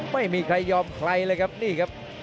ไม่มีใครยอมใครเลยครับ